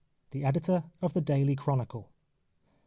THE EDITOR OF THE DAILY CHRONICLE.